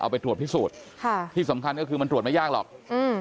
ไปตรวจพิสูจน์ค่ะที่สำคัญก็คือมันตรวจไม่ยากหรอกอืม